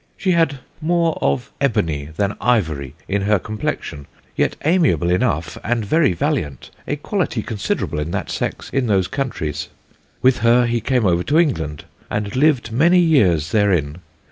She had more of Ebony than Ivory in her Complexion; yet amiable enough, and very valiant, a quality considerable in that Sex in those Countries. With her he came over to England, and lived many years therein.